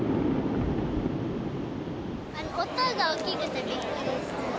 音が大きくてびっくりした。